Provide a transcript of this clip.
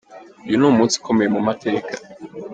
Uyu ni umunsi ukomeye mu mateka.